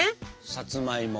さつまいも。